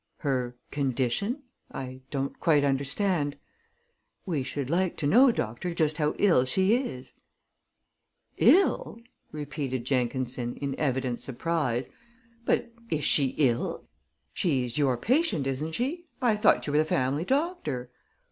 "Her condition? I don't quite understand." "We should like to know, doctor, just how ill she is." "Ill!" repeated Jenkinson, in evident surprise. "But is she ill?" "She's your patient, isn't she? I thought you were the family doctor."